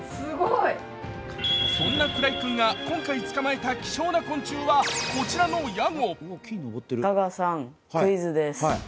そんな鞍井君が今回捕まえた希少な昆虫は、こちらのヤゴ。